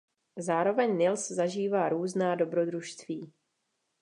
Zároveň Nils zažívá různá dobrodružství.